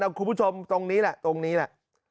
เอาคุณผู้ชมตรงนี้แหละ